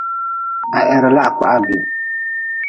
Ha heri la ha kpah ha bii.